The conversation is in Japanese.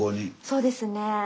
そうですね。